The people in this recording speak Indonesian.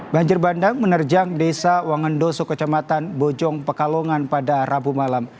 banjir bandang menerjang desa wangendoso kecamatan bojong pekalongan pada rabu malam